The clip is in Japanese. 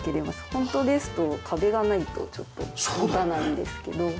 ホントですと壁がないとちょっと持たないんですけど。